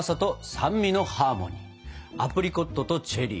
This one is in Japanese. アプリコットとチェリー。